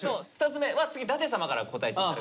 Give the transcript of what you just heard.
２つ目は次舘様から答えて頂く。